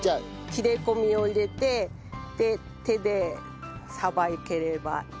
切れ込みを入れて手でさばければよろしいかと。